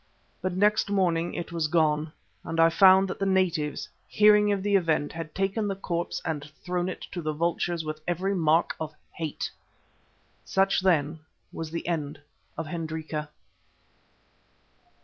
But next morning it was gone, and I found that the natives, hearing of the event, had taken the corpse and thrown it to the vultures with every mark of hate. Such, then, was the end of Hendrika.